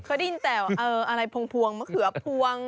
เคยได้ยินแต่เอออะไรมะเขือพวง